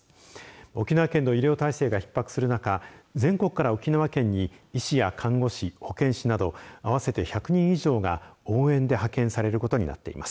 沖縄県の医療体制がひっ迫する中全国から沖縄県に医師や看護師、保健師など合わせて１００人以上が応援で派遣されることになっています。